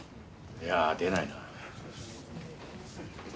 いやあ出ないな。